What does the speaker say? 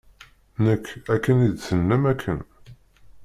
Nekk, akken i d-tennam akken.